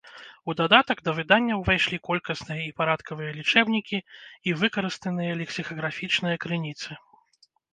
У дадатак да выдання увайшлі колькасныя і парадкавыя лічэбнікі і выкарыстаныя лексікаграфічныя крыніцы.